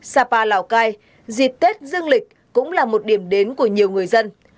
sapa lào cai dịp tết dương lịch cũng là một điểm đến của nhiều người dân